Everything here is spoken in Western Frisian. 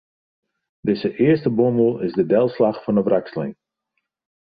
Dizze earste bondel is de delslach fan de wrakseling.